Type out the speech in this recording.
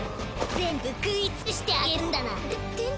全部食いつくしてあげるんだナ。